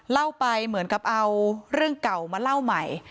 เล่าไปเหมือนกับเอาเรื่องเก่ามาเล่าใหม่